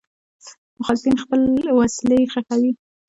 مخالفین خپل وسلې ښخوي.